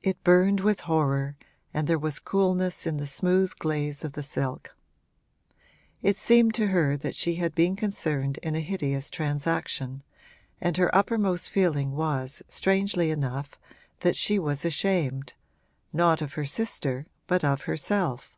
It burned with horror and there was coolness in the smooth glaze of the silk. It seemed to her that she had been concerned in a hideous transaction, and her uppermost feeling was, strangely enough, that she was ashamed not of her sister but of herself.